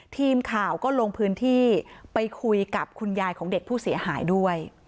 ทีมข่าวก็ลงพื้นที่ไปคุยกับคุณยายของเด็กผู้เสียหายด้วย